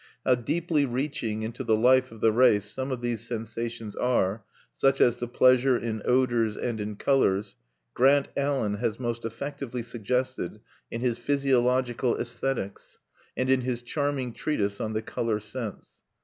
How deeply reaching into the life of the race some of these sensations are, such as the pleasure in odors and in colors, Grant Allen has most effectively suggested in his "Physiological Aesthetics," and in his charming treatise on the Color Sense.